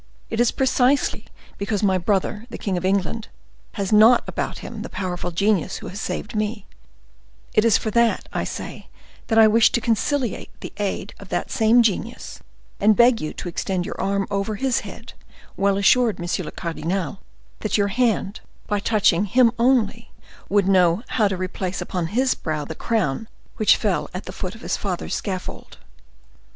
It is precisely because my brother, the king of England has not about him the powerful genius who has saved me, it is for that, I say, that I wish to conciliate the aid of that same genius, and beg you to extend your arm over his head, well assured, monsieur le cardinal, that your hand, by touching him only, would know how to replace upon his brow the crown which fell at the foot of his father's scaffold."